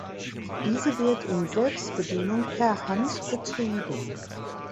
Diese wird in Selbstbedienung per Hand betrieben.